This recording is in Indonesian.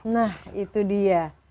nah itu dia